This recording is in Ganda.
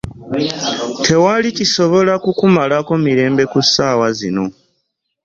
Tewali kisobola ku kumalako mirembe ku sssaawa zino.